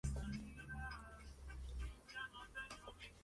En su unión con el río Saskatchewan Sur forman el río Saskatchewan.